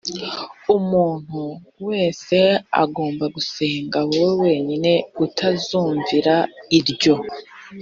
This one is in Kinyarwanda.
umuntu wese agomba gusenga wowe wenyine utazumvira iryo